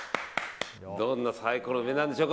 どんなサイコロの目なんでしょう。